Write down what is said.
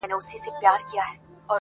لکه انار دانې، دانې د ټولو مخته پروت يم~